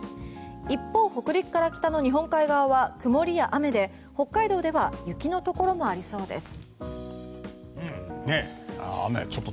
一方、北陸から北の日本海側は曇りや雨で北海道では雪のところもありそうです。